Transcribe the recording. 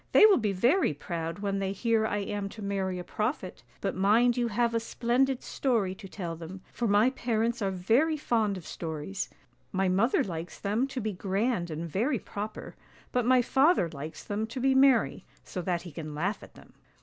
They will be very proud when they hear I am to marry a prophet ; but mind you have a splendid story to tell them, for my parents are very fond of stories: my mother likes them to be grand and very proper, but my father likes them to be merry, so that he can laugh at them."